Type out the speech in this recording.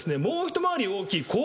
もう一回り大きい